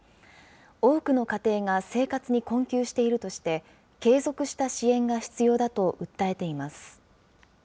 多くの家庭が生活に困窮しているとして、継続した支援が必要だと訴えています。